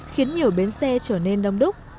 khiến nhiều bến xe trở nên đông đúc